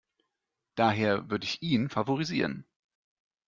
Daher würde ich ihn favorisieren.